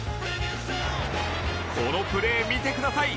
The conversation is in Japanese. このプレー見てください